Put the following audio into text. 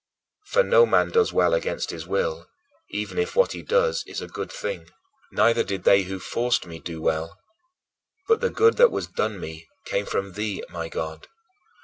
For no man does well against his will, even if what he does is a good thing. Neither did they who forced me do well, but the good that was done me came from thee, my God.